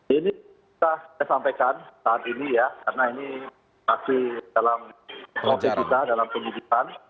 ini saya sampaikan saat ini ya karena ini masih dalam proses kita dalam penyidikan